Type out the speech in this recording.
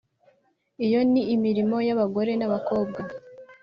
iyo ni imirimo y’abagore n’abakobwa.